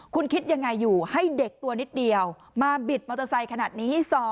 คุณคิดยังไงอยู่ให้เด็กตัวนิดเดียวมาบิดมอเตอร์ไซค์ขนาดนี้๒